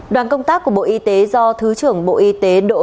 đoàn công tác của bộ y tế do thứ trưởng bộ y tế đỗ xuân nguyên